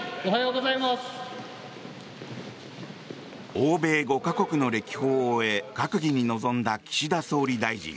欧米５か国の歴訪を終え閣議に臨んだ岸田総理大臣。